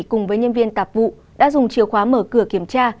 cùng với nhân viên tạp vụ đã dùng chiều khóa mở cửa kiểm tra